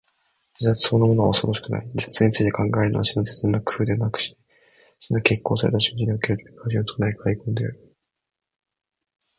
自殺そのものは恐ろしくない。自殺について考えるのは、死の刹那の苦痛ではなくして、死の決行された瞬時における、取り返しのつかない悔恨である。